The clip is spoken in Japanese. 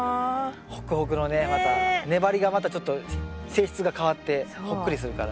ほくほくのねまた粘りがまたちょっと性質が変わってほっくりするから。